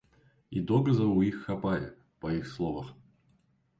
І доказаў у іх хапае, па іх словах.